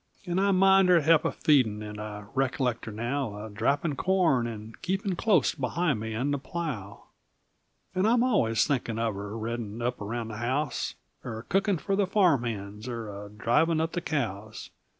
And I mind her he'p a feedin' And I recollect her now A drappin' corn, and keepin' Clos't behind me and the plow! And I'm allus thinkin' of her Reddin' up around the house; Er cookin' fer the farm hands; Er a drivin' up the cows.